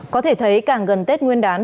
có thể thấy càng gần tết nguyên đán